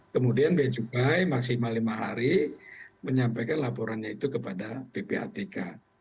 kemudian bea cukai maksimal lima hari menyampaikan laporannya itu kepada ppatk